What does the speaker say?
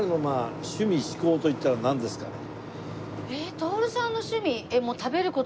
徹さんの趣味？